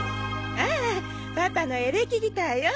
ああパパのエレキギターよ。